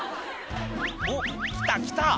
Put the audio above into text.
「おっ来た来た」